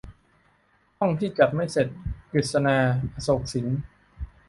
ห้องที่จัดไม่เสร็จ - กฤษณา อโศกสิน